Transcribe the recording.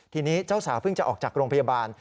ทีนี้เจ้าสาวเพิ่งจะออกจากโรงพยาบาล